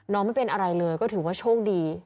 ไม่เป็นอะไรเลยก็ถือว่าโชคดี